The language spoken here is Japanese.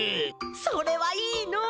それはいいのう。